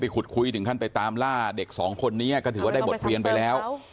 ขุดคุยถึงขั้นไปตามล่าเด็กสองคนนี้ก็ถือว่าได้บทเรียนไปแล้ว